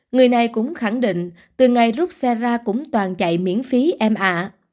người này cũng khẳng định từ ngày rút xe ra cũng toàn chạy miễn phí em ạ